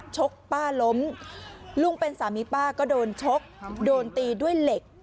ชกป้าล้มลุงเป็นสามีป้าก็โดนชกโดนตีด้วยเหล็ก